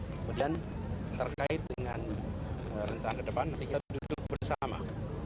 kemudian terkait dengan rencana kedepan kita duduk bersama